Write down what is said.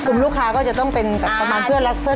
กลุ่มลูกค้าก็จะต้องเป็นประมาณเพื่อสุขภาพ